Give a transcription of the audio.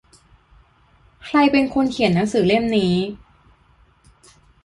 ใครเป็นคนเขียนหนังสือเล่มนี้